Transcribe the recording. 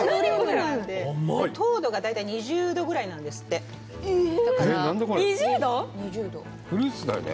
糖度が大体２０度ぐらいなんですって２０度⁉フルーツだよね